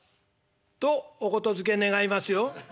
とお言づけ願いますよ」。